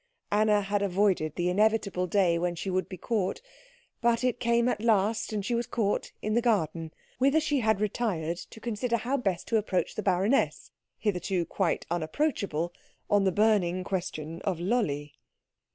Anna had avoided the inevitable day when she would be caught, but it came at last, and she was caught in the garden, whither she had retired to consider how best to approach the baroness, hitherto quite unapproachable, on the burning question of Lolli.